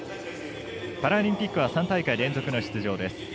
パラリンピックは３大会連続の出場です。